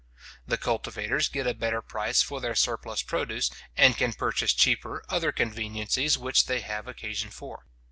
The cultivators get a better price for their surplus produce, and can purchase cheaper other conveniencies which they have occasion for.